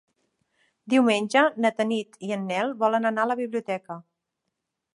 Diumenge na Tanit i en Nel volen anar a la biblioteca.